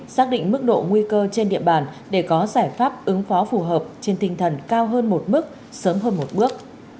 xác định mức độ nguy cơ trên địa bàn để có giải pháp ứng phó phù hợp trên tinh thần cao hơn một mức sớm hơn một bước